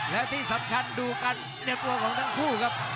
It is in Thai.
และที่สำคัญดูกันตัวของทั้งคู่ครับ